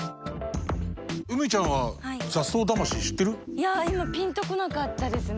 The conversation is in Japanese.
いや今ピンと来なかったですね。